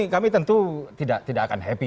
kami tentu tidak akan happy